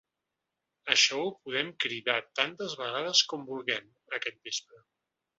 Això ho podem cridar tantes vegades com vulguem aquest vespre.